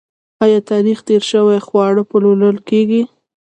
آیا تاریخ تیر شوي خواړه پلورل کیږي؟